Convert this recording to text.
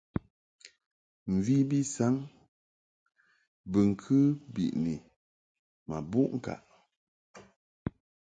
Mvi bi saŋ bɨŋkɨ biʼni ma buʼ ŋkaʼ.